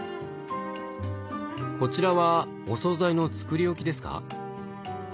こちらはお総菜の作り置きですか？